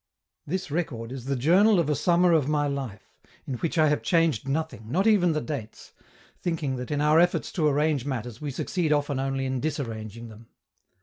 This record is the journal of a summer of my life, in which I have changed nothing, not even the dates, thinking that in our efforts to arrange matters we succeed often only in disarranging them.